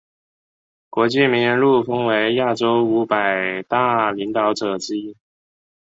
国际名人录封为亚洲五百大领导者之一。